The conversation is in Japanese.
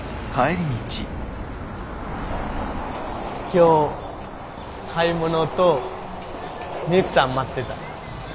今日買い物とミユキさん待ってた。